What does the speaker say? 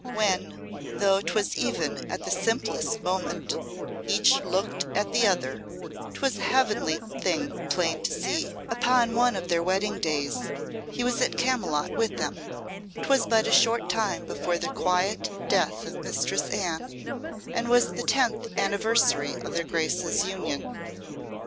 When, though 'twas even at the simplest moment, each looked at the other, 'twas a heavenly thing plain to see. Upon one of their wedding days he was at Camylott with them. 'Twas but a short time before the quiet death of Mistress Anne, and was the tenth anniversary of their Graces' union.